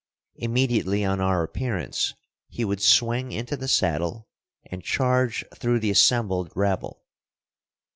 Immediately on our appearance he would swing into the saddle and charge through the assembled rabble.